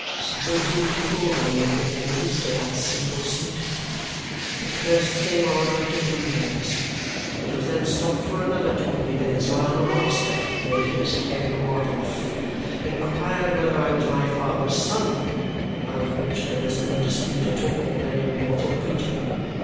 Seventeen people were made defendants to that simple suit! It first came on after two years. It was then stopped for another two years while the master (may his head rot off!) inquired whether I was my father's son, about which there was no dispute at all with any mortal creature.